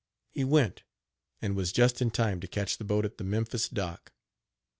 He went, and was just in time to catch the boat at the Memphis dock.